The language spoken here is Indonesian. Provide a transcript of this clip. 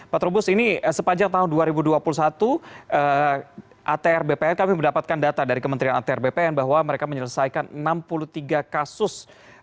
pak trubus ini sepanjang tahun dua ribu dua puluh satu atr bpn kami mendapatkan data dari kementerian atr bpn bahwa mereka menyelesaikan enam puluh tiga kasus